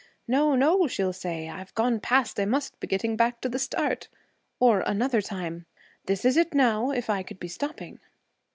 "No, no," she'll say. "I've gone past. I must be getting back to the start." Or, another time, "This is it, now. If I could be stopping!"'